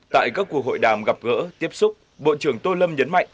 tại các cuộc hội đàm gặp gỡ tiếp xúc bộ trưởng tô lâm nhấn mạnh